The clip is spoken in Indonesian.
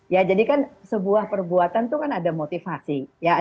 ya jadi kan sebuah perbuatan itu kan ada motivasi